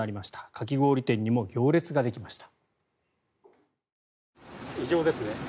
かき氷店にも行列ができました。